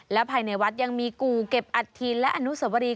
และภายในวัดยังมีกู่เก็บอัฐินและอนุสวรี